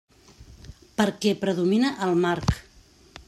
Perquè predomina el marc.